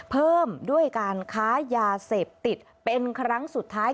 เพิ่มด้วยการค้ายาเสพติดเป็นครั้งสุดท้าย